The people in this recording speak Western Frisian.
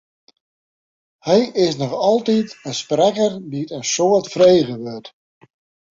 Hy is noch altyd in sprekker dy't in soad frege wurdt.